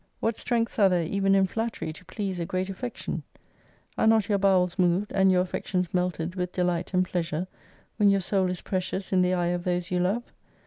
What strengths are there even in flattery to please a great affection ? Are not your bowels moved, and your affections melted with delight and pleasure, when your soul is precious in the eye of those you love